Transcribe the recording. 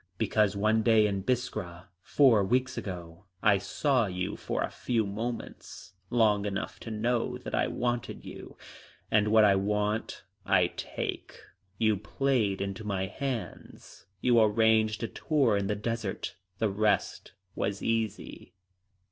Because one day in Biskra, four weeks ago, I saw you for a few moments, long enough to know that I wanted you. And what I want I take. You played into my hands. You arranged a tour in the desert. The rest was easy."